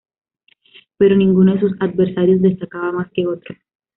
Pero ninguno de sus adversarios destacaba más que otros.